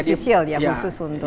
artifisial ya khusus untuk